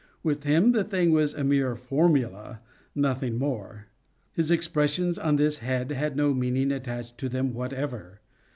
With him the thing was a mere formula—nothing more. His expressions on this head had no meaning attached to them whatever.